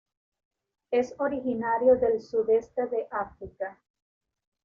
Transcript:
Es originario del sudeste de África.